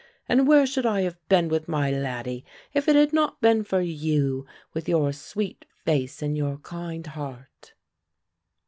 And where should I have been with my laddie if it had not been for you with your sweet face and your kind heart?"